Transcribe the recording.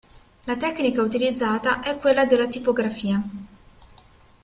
La tecnica utilizzata è quella della tipografia.